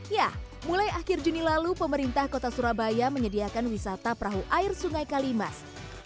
ya mulai akhir juni lalu pemerintah kota surabaya menyediakan wisata perahu air sungai kalimas